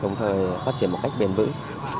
đồng thời phát triển một cách bền vững